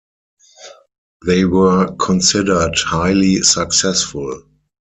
They were "considered highly successful".